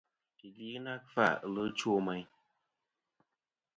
Yì gvi ghɨ na kfa, ɨlvɨ chwo meyn.